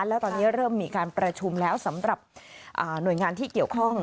แล้วตอนนี้เริ่มมีการประชุมแล้วสำหรับหน่วยงานที่เกี่ยวข้อง